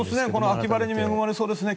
秋晴れに恵まれそうですね。